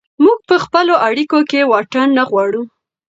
موږ په خپلو اړیکو کې واټن نه غواړو.